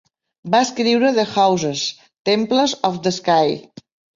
Va escriure The Houses: Temples of the Sky.